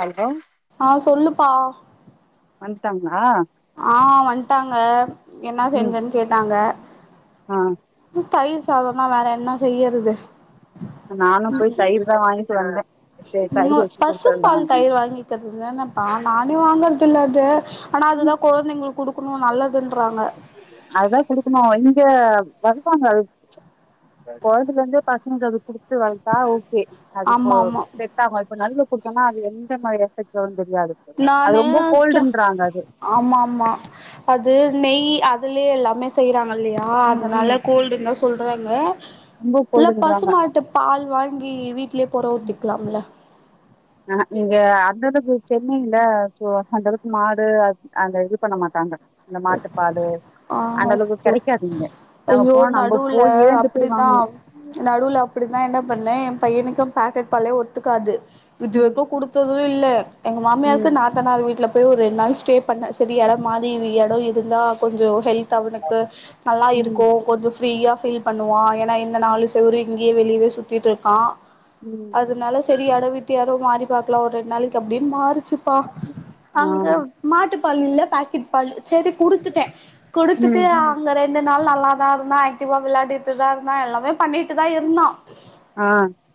Hello ஆ சொல்லுப்பா வந்ட்டாங்களா ஆ வன்ட்டாங்க என்ன ம் செஞ்சன்னு கேட்டாங்க ஆ தய்வ் சாதனா வேற என்ன செய்யறது ப்ப நானு போய் தயிர் தா வாங்கிட்டு வந்தே சேரி தயிர் ம் வச்சு பசும் குடுத்தர்லா பால் தயிர் வாங்கிக்கிறதுக என்னப்பா நானே வாங்கறத இல்ல அது ஆனா அதுதா கொழந்தைங்களுக் குடுக்குணு நல்லதுன்றாங்க அதுதா குடுக்குணு இங்க வருவாங்க அ கொழந்தைகல இருந்து பசங்களுக் குடுத்து வள்த்தா ஓகே அதுக்கு ஆமா ஆமா விட்டாங்கோ இப்ப நடுல குடுத்தோனா அது எந்த மாரி எஃபெக்ட் வருன் தெரியாது அது நானு ரொம்ப ஸ்ட கோல்டுன்றாங்க அது ஆமா ஆமா அது நெய் அதுலே எல்லாமே செய்றாங் கில்லையா ம் ம் அதனால கோல்டுன் தா சொல்றாங்க ரொம்ப இல்ல பசு கோல்டுன்றாங்க மாட்டுப் பால் வாங்கி வீட்லே பொற ஊத்திக்லாம்ல ஆஹ இங்க அந்த அளவுக்கு சென்னையில சோ அந்த அளவுக்கு மாடு அந்த இது பண்ண மாட்டாங்க இந்த மாட்டுப்பாலு ஆ அந்த அளவுக்கு ஓகே ஓகே கெடைக்காது இங்க நம்ம ஐயோ போன நம்ம நடுவுல போய் ஏந்து போய் அப்டிதா வாங்கணு நடுவுல அப்டிதா என்ன பண்ணே என் பையனுக்கு பாக்கெட் பாலே ஒத்துக்காது இது ம் [unintelligible] குடு த்து இல்ல எங்க மாமியருக்கு ம் நா த்தனார் வீட்ல போய் ஒரு ரெண்ட் நாள் ஸ்டே பண்ண செரி எட மாரி எடோ இருந்தா கொஞ்சோ ஹெல் த் அவுனுக்கு நல்லா ம் இருக்கு கொஞ்சோ ஃப்ரீயா ஃபீல் பண்ணுவான் ஏன்னா இந்த நாலு செவுரு இங்கேயே வெளியவே சுத்திட்டு இருக்கா ம் அதனால செரி எட விட்டு எடம் மாரி பார்க்கலா ஒரு ரெண்டு நாளைக்கு அப்டின்னு மாறுச்சுப்பா ஆ அங்க மாட்டுப்பால் இல்ல பாக்கெட் பால் செரி குடுத்துட்டே குடுத்துட்டு ம் ஆ அங்க ரெண்டு நாள் நல்லாதா இருந்தா ஆக்டிவா விளாடிட்டுதா இருந்தா எல்லாமே பண்ணிட்டு தா இருந்தா ஆ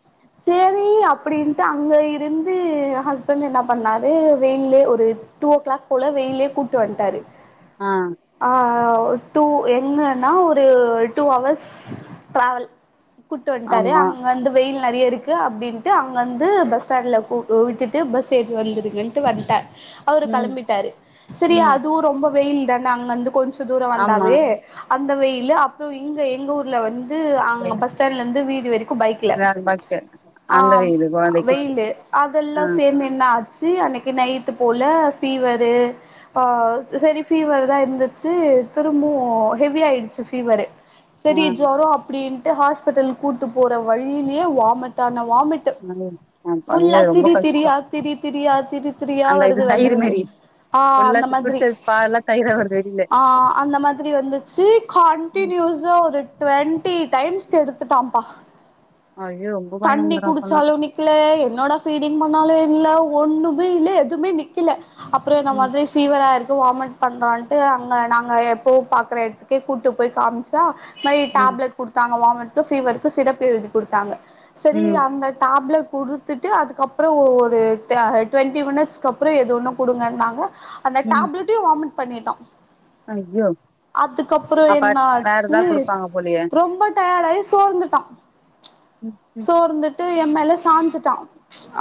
[inaudible] செரி அப்டின்ட்டு அங்க இருந்து ஹஸ்பண்ட் என்ன பண்ணாரு வெயில்லே ஒரு டூ ஓ கிளாக் போல வெயில்லே கூட்டு வண்டாரு ஆ ஆ ஒ டூ எங்கன்னா ஒரு டூ ஹவர்ஸ் ட்ராவல் கூட்டு வண்டாரு ஆமா அங்க வந்து வெயில் நறைய இருக்கு அப்டின்ட்டு அங்க வந்து பஸ் ஸ்டாண்ட்ல கு விட்டுட்டு பஸ் ஏறி வந்திருக்கேன்டு வண்ட அவுரு ம் கெளம்பிட்டாரு செரி ம் அதுவு ரொம்ப வெயில் தான அங்க இந்து கொஞ்ச தூர ஆமா வந்தாவே அந்த வெயிலு அப்றோ இங்க எங்க ஊர்ல வந்து அங்க பஸ் ஸ்டாண்ல இருந்து வீடு வரைக்கு பைக் ல பாக்கெட் ஆ அந்த வெயிலு கொழந்தைக்கு ஸ் வெயிலு ஆ அதெல்லா சேர்ந்து என்னாச்சு அன்னைக்கு நைட்டு போல ஃபீவரு ஆ செரி ஃபீவர் தா எந்த ச்சு திரும்பு ஹெவி ஆயிடுச்சு ஃபீவரு ஆ செரி ஜோரோ அப்டின் ட்டு ஹாஸ்பிட்டல் கூட்டு போற வழியிலியே வாமிட் ஆன வாமிட் ம் அதுவே ரொம்ப கஷ்டோ திரி திரியா திரி திரியா அந்த இது வருது வெள்ள தயிர் வெள்ளயா மாரி ஆ ஃபுல்லா அந்த மாதிரி குடிச்சது பால்லா தயிரா வருது வெளில ஆ அந்த மாதிரி வந்துச்சு ம் கண்டியூஸ் சா ஒரு டுவெண்டி டைம்ஸ்க்கு எடுத்துட்டாபா ஐயோ ரொம்ப பயோ தண்ணி வந்துரு அப்பல்லா குடிச்சாலு நிக் ல என்னோட ஃபீடிங் பண்ணாலு இல்ல ஒண்ணுமே இல்ல எதுமே நிக்கில அப்புற இந்த ம் மாதிரி ஃபீவராக இருக்கு வாமிட் பண்றான்ட்டு அங்க நாங்க எப்போ பாக்குற இடத்துக்கே கூட்டு போய் காமிச் சா இந்த மாரி ம் டேப்லெட் குடுத்தாங்க வாமிட் கு ஃபீவருக்கு சிரப் எழுதி குடுத்தாங்க செரி ம் அந்த டாப்லெட் குடு த்துட்டு அதுக்கப்புறோ ஒரு தே டுவெண்டி மினிட்ஸ்கு அப்புறோ எது வேணா குடுங்க அப்டின்னாங்க அந்த டேப்லெட்டையு வாமிட் பண்ணிட்டா அய்யோ அதுக்கப்றோ என்ன ஆச்சு குடுப்பாங்க போலயே ரொம்ப டயர்டாயி சோர்ந்துட்டா ம் ம் சோர்ந்துட்டு எம்மேல சாஞ்சுட்டா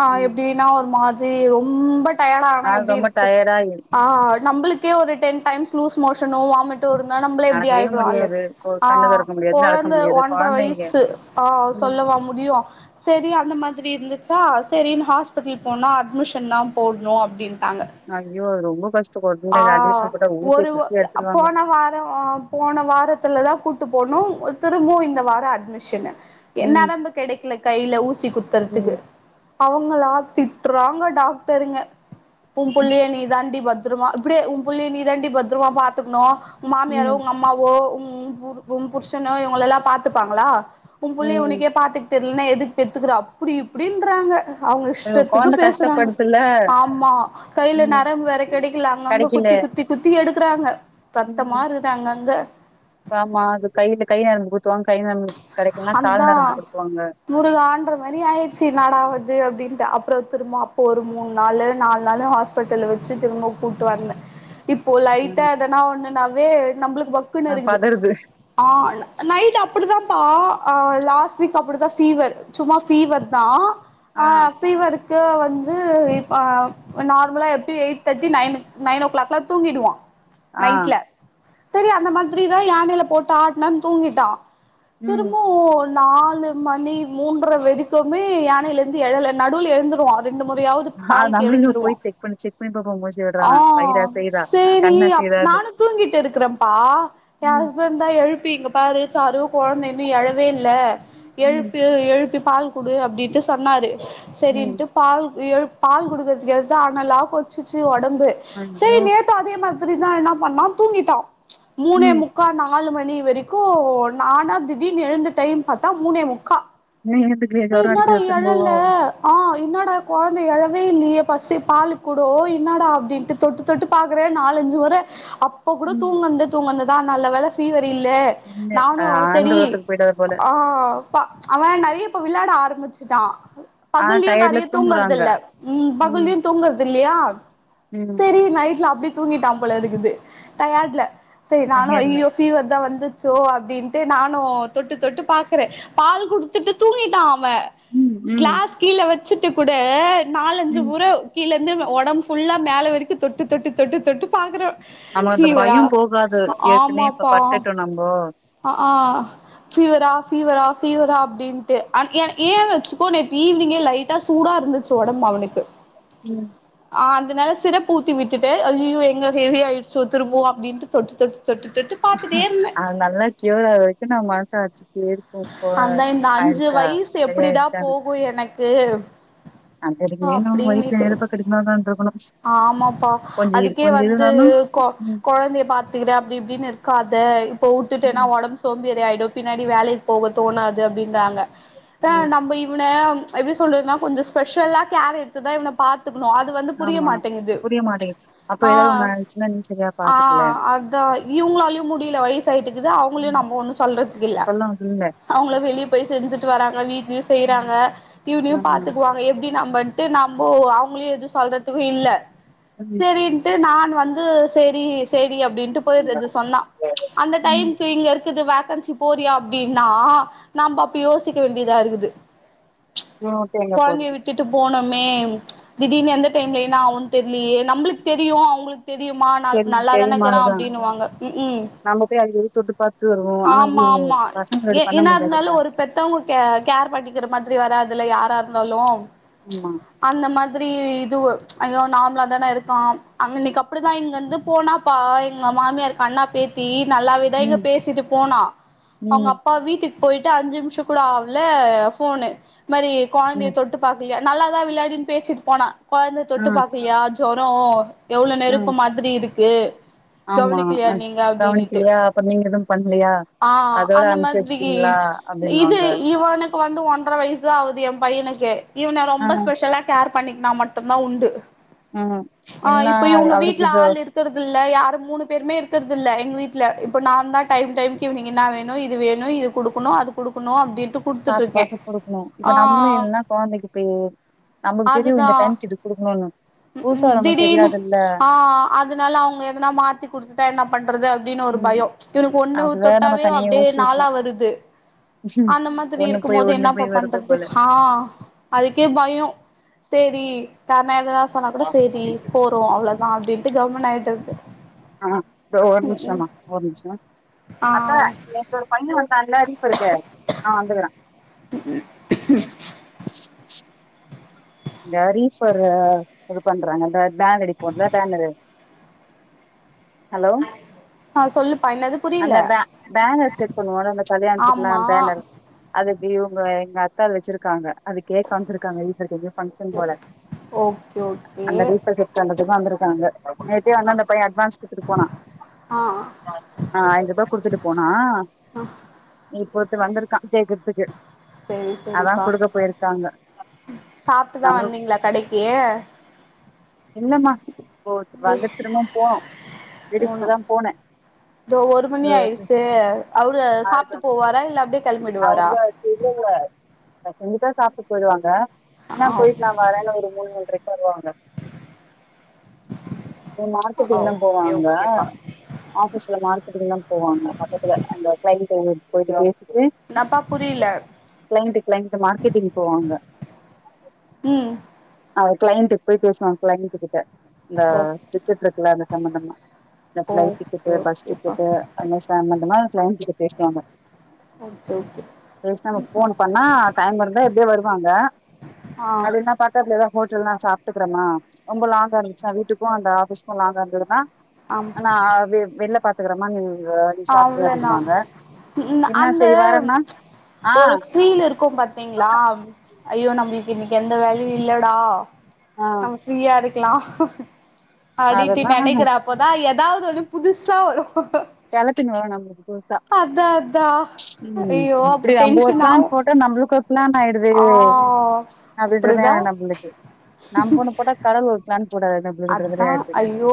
ஆ ம் எப்டினா ஒரு மாதிரி ரொம்ப டயர்டா ஆனா அது எப்டி ரொம்ப இருப்போ டயர்டா ஆ நம்பளுக்கே ஒரு டென் டைம்ஸ் லூஸ் மோஷனோ வாமிட் டு இருந்தா நம்பளே எப்டி நடக்கவே ஆயிடுவோ ஆளு முடியாது கொ ஆ கண்ணு தொறக்க முடியாது நடக்க கொழந்த முடியாது ஒன்ற கொழந்தைங்க வய்சு ஆ அவ் ம் சொல்லவா முடியு செரி அந்த மாத்ரி இருந்துச்சா செரின் ஹாஸ்பிடல் போனா அட்மிஷன்தா போட்னு அப்டின்டாங்க அய்யோ அது ரொம்ப கஷ் ஆ ஒரு ஒ அ அ எடுத்துருவாங்க போன வாரொ அ போன வாரத்துலதா கூட்டு போனோ திரும்பவு இந்த வார அட்மிஷனு எ ம் நரம்பு கெடைக்கல கைல ஊசி குத்துறதுக்கு ம் அவங்களா திட்றாங்க டாக்டருங்க உ புள்ளைய நீ தான்டி பத் பத்தரமா இப்டியே புள்ளைய நீ தான்டி பத்ரமா பாத்துக்கணு உ மாமியாரோ ம் உங்கம் அம்மாவோ உ உன் புருஷனோ இவங்களல்லாம் பாத்துப்பாங்களா உன் புள்ளய ம் உனக்கே பாத்துக் தெர்லனா எதுக் பெத்துக்குற அப்டி இப்டின்றாங்க அவங்க எங்க இஷ்டத்துக்கு கொழந்த பேசுறாங்க கஷ்டப்படுதுல்ல ஆமா கைல ம் நரம்பு வேற கெடைக்கல அங்கங்க கெடைக்கல குத்தி குத்தி குத்தி எடுக்குறாங்க ரத்தமா இருக்குது அங்கங்க ஏமா அது கைல கை நரம்பு குடுத்துவாங்க கை நரம்பு கெடைக்கலனா கால் அதா நரம்பு குத்துவாங்க முருகான்ற மாரி ஆயிடுச்சி என்னா டா வந்து அப்டின்ட்டு அப்ற திரும்ப அப்போ ஒரு மூண் நாள் நாலு நாள் ஹாஸ் ஹாஸ்பிட்டல்ல வெச்சு திரும்ப கூட்டு வந்த இப்போ லைட்டா ம் எதன்னா ஒண்ணுனாவே நம்ளுக்கு பக்குனு ஆ இருக்குது பதறுது ஆ நைட் அப் அப்டிதாப்பா அ லாஸ்ட் வீக் அப்பிடிதா ஃபீவர் சும்மா ஃபீவர்தா ஆ ஃபீவருக்கு வந்து இப்ப ஆ நார்மலா எப்டி எயிட் தேர்ட்டி நைன் நைன் ஓ கிளாக்லா தூங்கிடுவோ ஆ நைட்ல செரி அந்த மாதிரிதா யானையில போட்டு ஆட்ன தூங்கிட்டா ம் திரும்பவு நாலு மணி மூன்ற வெரிக்கும்மே யானையில இருந்து எழல நடுவுல எழுந்துருவா ரெண்டு முறையாவது து ஆ பால்க்கு நம்மளுமே எழுந்துருவா போய் செக் பண்ணி செக் பண்ணி பாப்போ மூச்சு ஆ விடுறானா வயிறு அசையுதா சேரி கண்ணு அப் அசையுதான்னு நானு தூங்கிட்டு இருக்கிறேப்பா எ ம் ஹஸ்பன்ட் ந்த எழுப்பி இங்க பாரு சாரு கொழந்த இன்னு எழவே இல்ல ம் எழுப்பு எழுப்பி பால் குடு அப்டின்ட்டு சொன்னாரு ம் செரின்ட்டு பால்க் எழுப் பால் குடுக்கறதுக்கு எடுத்தா அனலா கொதிச்சிச்சு ஒடம்பு சேரி ஐயோ நேத் நேத்து அதே மாதிரிதா என்ன பண்ணா தூங்கிட்டா மூணே ம் முக்கால் நாலு மணி வரிக்கு நானா திடீனு எழுந்து டைம் பாத்தா மூனே முக்கா நீயே எழுந்து அப்டி இன்னாடா எழல ஆ இன்னாட கொழந்த எழவே இல்லியே பசி பாலுக் கூடொ இன்னாடா அப்டின்ட்டு தொட்டு தொட்டு பாக்குற நாலஞ்சுமுற அப்ப கூட ம் தூங்கன்து தூங்கனதுதா நல்ல வேல ஃபீவர் இல்லே இல்ல நானு அது செரி ஆண்டவத்துக்கு போயிட்டது போல ஆ ப்பா அவ நறிய இப்ப விளாட ஆரம்பிச்சிட்டா ஆனா பகல்லயு டயர்ட்ல நறிய தூங்குறது தூங்குறாங்க இல்ல ம் பகல்லயு தூங்குறது இல்லையா ம் செரி நைட்ல அப்டி தூங்கிட்டா போலருக்குது டயார்ட்ல செரி நானு டயர்ட்ல அய்யயோ பீவர் தா வந்துருச்சோ அப்டின்ட்டு நானு தொட்டு தொட்டு பாக்குறே பால் குடுத்துட்டு தூங்கிட்டா அவ ம் ம் கிளாஸ் கீழ வெச்சுட்டு கூட நாலஞ்சு ம். முற கீழருந்து ஒடம்புல்லா மேல வரைக்கு தொட்டு தொட்டு தொட்டு தொட்டு பாக்குற நம்ம அந்த பயோ போகாது ஏற்கனே இப்ப ஆமாப்பா பட்டுட்டோ நம்போ ஆ ஆ பீவரா பீவரா பீவரா அப்டின்ட்டு என் ஏன்னு வெச்சுக்கோ நேத்து ஈவினிங்கே லைட் லைட்டா சூடா இருந்துச்சு ஒடம்பு அவனுக்கு ம் ஆ அதனால சிரப் ஊத்தி விட்டுட்டு ஐய்யயோ எங்க ஹெவி ஆயிடுச்சோ திரும்பவு அப்டின்ட்டு தொட்டு தொட்டு தொட்டு தொட்டு பாத்துட்டே இருந்தே அது நல்லா கியூர் ஆகுற வரைக்கு நம்ம மனசு அடிச்சுட்டே இருப் அந்தா இந்த அஞ்சு வயசு எப்பிடிடா சரியாயிடுச்சான்னு போகு எனக்கு அது வரைக்குமே நம்ம வயித்துல அப்டின்னுட்டு நெருப்ப கட்டினு தா இருக்கணு ஆமாப்பா அதுக்கே வந்து கொ ம் கெழந்தைய பாத் கிறேன்னு அப்டி இப்டின்னு இருக்காத இப்ப விட்டுட்டேனா ம் ஒடம்பு சோம்பி ஆயிடு பின்னாடி வேலைக்கு போக தோணாது அப்டின்றாங்க ஆ ம் நம்ம இவன எப்டி சொல்றதுன்னா கொஞ்சோ ஸ்பெஷலா கேர் எடுத்துதா இவன பாத்துக்கணு அது வந்து புரிய ஆமா மாட்டேங்குது புரிய மாட்டேங்குது அப்ப ஆ ஏதாவது ஒண்ணு ஆயிடுச்சுன்னா நீ சரியா ஆ பாத்துக்கல அதா இவங்களாலயு முடில வயச ஆயிட்டுக்குது ம் அவங்களையு நம்ம ஒன்னு சொல்றதுக்கு இல்ல [unintelligible] அவங்களா வெளியே போய் செஞ்சுட்டு வராங்க வீட்லேயு ம் செய்றாங்க இவனையு ஆமா பாத்துக்குவாங்க எப்டி நம்ம ட்டு நம்போ அவங்களையு எது சொல்றதுக்கு இல்ல ம் சேரி ட்டு நான் வந்து சேரி சேரி அப்டின்ட்டு ம். போயிறது சொன்னா அந்த டைமு ம். இங்க இருக்கு வேக்கன்சி போறியா அப்டின்னா நம்ம அப்ப யோசிக்க வேண்டியதா இருக்குது தேங்கா கொழந்தைய போடுது விட்டுட்டு போனோமே திடீர்னு எந்த டைம்ல ஏன்ன அவுன்னு தெரியலயே நம்மளுக்கு தெரியு அவங்களுக் தெரியுமா ந சரி நல்லாதான பெரியம்மா இருக்கிறா அதுதா அப்பிடின்னுவாங்க ம்க்ம் நம்ம போய் அடிக்கடி தொட்டு பாத்து வருவோ ஆனா ஆமா இது ஆமா பசங்க முன்னாடி பண்ண என்னா இருந்தாலு முடியாதுல்ல ஒரு பெ பெத்தவங்க கே கேர் பண்ணிக்கிற மாரி வராதுல யாரா இருந்தாலு ஆமா அந்த மாதிரி து ஐய்யோ நார்மலா தானே இருக்கா இன்னிக்கி அப்டிதா இங்க வந்து போனாப்ப எங்க மாமியா கண்ண அப் த்தி நல்லாவேதா இங்க ம் பேசிட்டு போனா அவங்க ம் அப்பா வீட்டுக்கு போயிட்டு அஞ்சு நிமிஷ கூட ஆவ்ல போனு அது மாரி கொழந்தைய ம். தொட்டு பாக்கலையா நல்லாதா விளாடின்னு பேசிட்டு போனா கொழந்தை ஆ தொட்டு பாக்கலையா ஜொரோ எவ்ளோ ஆ நெருப்பு மாதிரி இருக்கு ஆமா கவனிக்கலையா நீங்க அப்டின்னுட்டு கவனிக்கிலியா அப்ப நீங்க எது பண்ணலியா ஆ அந்த மாதிரி இது அப்டின்னுவாங்க இவனுக்கு வந்து ஒன்றர வயசு ஆகுது ஏ பையனுக்கு இவன ஆ ரொம்ப ஸ்பெஷலா கேர் பண்ணிக்கனா மட்டுதா உண்டு ம் ஆ எல்லா இப்போ இவங்க அவருக்கு வீட்ல கொஞ்சோ ஆள் இருக் இருக்கிறதில்ல யாரு மூணு பேருமே இருக்கறதில்ல எங்க வீட்ல இப்ப நா தா டைம் டைமுக்கு என்ன வேணு இது வேணு இது குடுக்கணு அது குடுக்கணு அப்டின்ட்டு குடுத்துட்டு பாத்து இருக்கே பாத்து குடுக்கணு இப்ப ஆ நம்மளு இல்ன்னா கொழந்தைக்கு நமக்கு தெரியு இந்த டைமுக்கு இது குடுக்கணுன்னு ம்ஹீம் திடீர்னு ஆ அதனால அவங்க எதனா மாத்தி குடுத்துட்டா என்ன பண்றது அப்டின்னு ஒரு ம் பயோ இவனுக்கு ஒண்ணு அதுதா நம்ம தொட்டாவே தனியா அப்டியே யோசிச்சிருப்போ நாளா வருது அந்த மாதிரி ஒண்ணு போய் இருக்கும்மோது ஒண்ணு என்னாப்பா போய் வருது பண்றது போல ஆ அதுக்கே பயோ சேரி தேர்னா எததா சொன்னாக் கூட சேரி போ றோ அவ்ளதா அப்டின்ட்டு கம்முனு ஆயிட்றது ஆ தோ ஒரு ம் ம் நிம்ஷமா ஒரு நிம்ஷோ ஆ பையே வந்தால்ல ரீஃபருக்கு அவே வந்துகுறா உம் இந்த ரீஃபரு இதுப் பண்றாங்க இந்த பேனடிப்போல்ல பேனரு ஹலோ ஆ சொல்லுப்பா என்னது அந்த புரில பே பேனர் செட் பண்வோல்ல அந்த கல்யாண்த்துக்லா ஆமா பேனரு அதுக்கு இவுங்க எங்க அக்காது வெச்சிருக்காங்க அது கேக்க வந்துருக்காங்க [unintelligible] ஃபங்க்ஷன் போல ஓகே ஓகே அந்த ரீஃபர் செட் [unintelligible] வந்திருக்காங்க நேத்தே வந்து அந்தப் பையே அட்வான்ஸ் குத்துடுப் போனா ஆ ஆ ஆயிரபா குடுத்துட்டுப் போனா இப்பத்து வந்திருக்கா கேக்குர்த் துகு சேரி அதா சேரிப்பா குடுக்க போயிர்க்காங்க சாப்ட்டுதா வந்தீங்ளா கடைக்கி இல்லமா போ அப்டியே வந்துட்டு திரும்பவும் போனு வீட்டுக் இப்பதாம் போனே தோ ஒரு மணி ஆயிருசே அவுரு சாப்ட்டு போவாரா இல்ல அப்டியேக் கெளம்பிடுவாரா இல்லல்ல நா செஞ்சிட்டா சாப்ட்டு போயிருவாங்க இன்னாப் போயிட்டு நா ஆ வரேனு ஒரு மூனு மூன்றைக் வருவாங்க இம் மார்க்கெட்டிங்லாம் ஓகே போவாங்க ஓகேப்பா ஆஃபிஸ்ல மார்க்கெட்டிங்தாம் போவாங்க பக்கத்துல அந்த கிளைன்ட்டு போயிட்டு பேசிட்டு னாப்பா புரில கிளைன்ட்டு கிளைன்ட்டு மார்கெட்டிங் போவாங்க ம் அவெ கிளைன்ட்டுக் போய் பேசுவா கிளைன்ட்டு கிட்ட இந்த ஓ டிக்கெட்ருக்குல அந்த சம்பந்தமா இந்த ஃபளைட் ஓகே டிக்கெட்டு பஸ் ஓகேப்பா டிக்கெட்டு அன்னு சம்பந்தமா கிளைன்ட் கிட்ட பேசுவாங்க ஓகே ஓகே பேச் நமக் ஃபோன் பண்ணா டைமிருந்தா எப்டியே வருவாங்க ஆ அது இன்னாப் பார்க் க்கத்ல எதா ஹோட்டல் நா சாப்ட்டுக்கறமா ரொம்ப லாங்கா இருந்துச்சா வீட்டுக்கு அந்த ஆஃபிஸ்க்கு லாங்கா இருந்ததுனா ஆம் நா வெ வெள்லப் பாத்துக்கறமா நீங் அவ்ளோதா [unintelligible] ம் இன்னா செய் வேறென்னா ஆ குயில் இருக்கும் பாத்தீங்ளா ஐயோ நம்பிள்க்கு இன்னிக் எந்த வேல்யூ இல்லடா ஆ நம்ம ஃப்ரீயா இருக்லா அடின்ட்டு அதெல்லா நெனைக்கிறப் ப்பதா எதாவது ஒன்னு புதுசா வரு கெளப்பினு வரு நம்ளுக்கு புதுசா அதா அதா ம் ம் ஐயோ அப்ப இப்டி நம்ப ‌ஒரு டென்ஷன் பிளான் ஆவு போட் ட்றா நம்புளுக்குட்லானாயிடுது ஆ அப்டின்றமே அப்டிதா நம்புளுக்கு நம்ப ஒன்னுப் போட்டாக் கடவுள் ஒருப் பிளான் போடாறு எனுப் அத்தா ஐயோ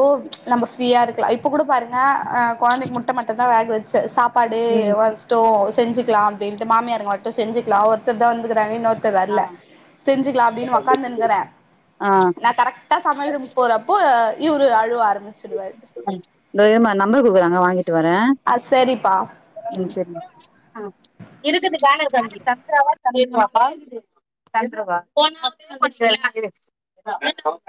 நம்ம ஃப்ரீயா இருக்லா இப்ப கூட பாருங்க அ கொழந்தைக் முட்ட மட்டுந்தா வேக வெச்ச சாப்பாடு எ ம் வந் டோ செஞ்சிக்லா அப்டின்ட்டு மாமியாருங்க வர்ட்டு செஞ்சுக்லா ஒருத் த்தர்தா வந்துகுறாங்க இன்னொருத்தர் ஆ வர்ல செஞ்சுகுலா அப்டின் ஒக்காந்துன்குறே ஆ நா கரெக்டா சமையல் ரூம் போறப்போ இவுரு அழுவ ஆரம்பிச்சுடுவாரு இந்தோ இருமா நம்பர் குடுக்குறாங்க வாங்கிட்டு வரே ஆ சரிப்பா ம் செரிங்க [inaudible]